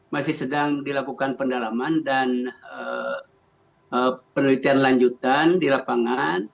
masih sedang dilakukan pendalaman dan penelitian lanjutan di lapangan